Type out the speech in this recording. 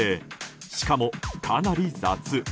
しかも、かなり雑。